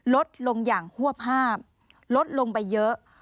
ลดลงอย่างฮวบภาพลดลงไปเยอะ